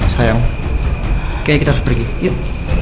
sayang kayaknya kita harus pergi yuk